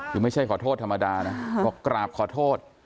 คือไม่ใช่ขอโทษธรรมดานะบอกกราบขอโทษ